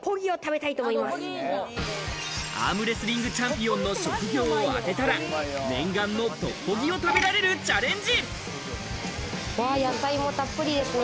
アームレスリングチャンピオンの職業を当てたら念願のトッポギを食べられるチャレンジ。